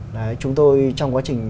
đấy chúng tôi trong quá trình